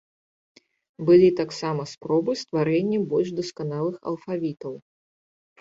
Былі таксама спробы стварэння больш дасканалых алфавітаў.